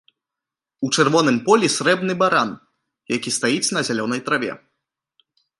У чырвоным полі срэбны баран, які стаіць на зялёнай траве.